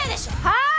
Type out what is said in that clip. はい！